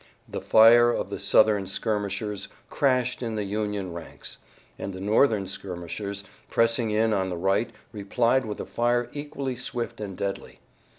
The fire of the Southern skirmishers crashed in the Union ranks, and the Northern skirmishers, pressing in on the right replied with a fire equally swift and deadly.